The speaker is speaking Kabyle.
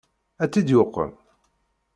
Ad tt-id-yuqem?